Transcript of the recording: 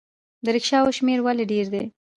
د ریکشاوو شمیر ولې ډیر دی؟